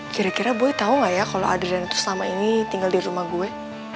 kira kira boy tau ga ya kalo adriana tuh selama ini tinggal di rumah gue